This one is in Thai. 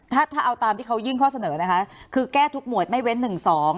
ถ้าถ้าเอาตามที่เขายื่นข้อเสนอนะคะคือแก้ทุกหมวดไม่เว้นหนึ่งสอง